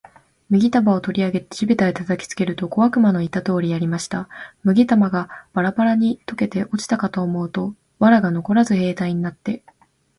麦束を取り上げて地べたへ叩きつけると、小悪魔の言った通りやりました。麦束がバラバラに解けて落ちたかと思うと、藁がのこらず兵隊になって、